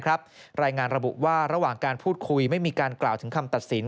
รายงานระบุว่าระหว่างการพูดคุยไม่มีการกล่าวถึงคำตัดสิน